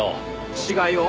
死骸を？